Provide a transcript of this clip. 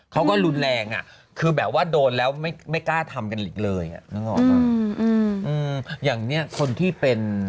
เขาก็รุนแรงอ่ะคือแบบว่าโดนแล้วไม่ไม่กล้าทำกันอีกเลยอ่ะนึกออกป่ะอืมอย่างเนี้ยคนที่เป็น